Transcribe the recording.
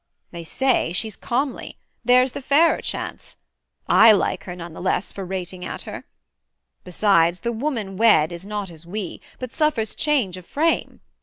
They say she's comely; there's the fairer chance: I like her none the less for rating at her! Besides, the woman wed is not as we, But suffers change of frame.